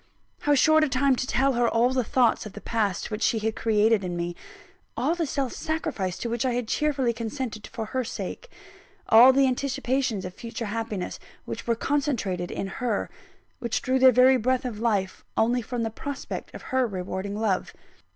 How short a time to tell her all the thoughts of the past which she had created in me; all the self sacrifice to which I had cheerfully consented for her sake; all the anticipations of future happiness which were concentrated in her, which drew their very breath of life, only from the prospect of her rewarding love!